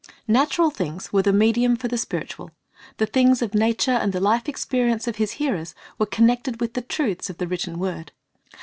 ^ Natural things were the medium for the spiritual ; the things of nature and the life experience of His hearers were connected with the truths of the written word.